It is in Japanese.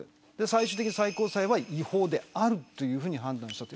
最終的に最高裁は違法であるというふうに判断した。